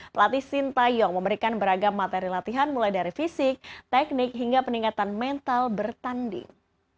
pelatih sintayong memberikan beragam materi latihan mulai dari fisik teknik hingga peningkatan mental bertanding